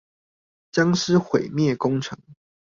殭屍毀滅工程